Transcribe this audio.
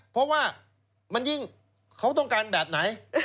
เพราะว่ามันยิ่งเขาต้องการแบบไหน